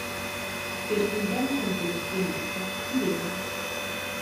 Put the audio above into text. Per Gulbenkian collezionista, si veda